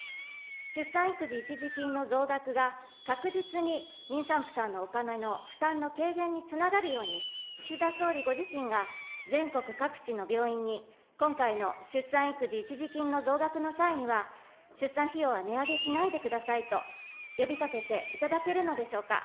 出産育児一時金の増額が、確実に妊産婦さんのお金の負担の軽減につながるように、岸田総理ご自身が、全国各地の病院に、今回の出産育児一時金の増額の際には、出産費用は値上げしないでくださいと呼びかけていただけるのでしょうか。